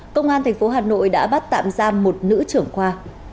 công an tp hà nội đã bắt tạm giam một nữ trưởng khoa